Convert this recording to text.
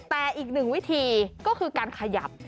แต่อีกหนึ่งวิธีก็คือการขยับ